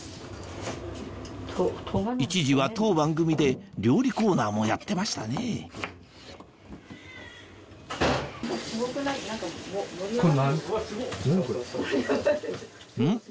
一時は当番組で料理コーナーもやってましたねん？